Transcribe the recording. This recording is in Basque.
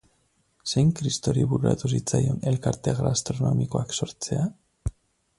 Zein kristori bururatu zitzaion elkarte gastronomikoak sortzea?